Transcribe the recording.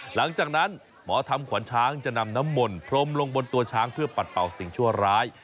หลังจากนั้นหมอทำขวัญช้างจะนำน้ำมนต์พรมลงบนตัวช้างเพื่อปัดเป่าสิ่งชั่วร้าย